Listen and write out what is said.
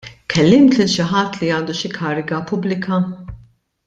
Kellimt lil xi ħadd li għandu xi kariga pubblika?